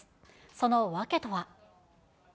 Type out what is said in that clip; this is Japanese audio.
その訳とは。